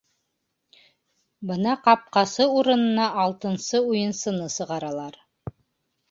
Бына ҡапҡасы урынына алтынсы уйынсыны сығаралар.